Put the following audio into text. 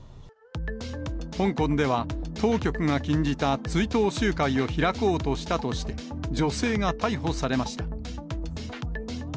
香港では、当局が禁じた追悼集会を開こうとしたとして、女性が逮捕されました。